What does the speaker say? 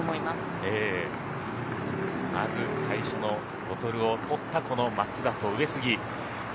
まず最初のボトルをとったこの松田と上杉。